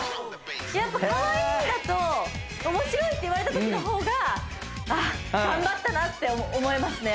やっぱカワイイだと面白いって言われたときの方が頑張ったなって思えますね